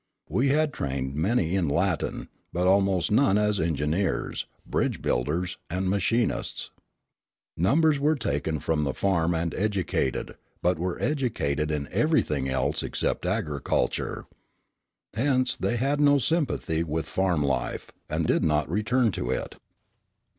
We had trained many in Latin, but almost none as engineers, bridge builders, and machinists. Numbers were taken from the farm and educated, but were educated in everything else except agriculture. Hence they had no sympathy with farm life, and did not return to it.